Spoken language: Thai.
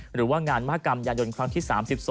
หรือว่างานมหากรรมยายนครั้งที่๓๒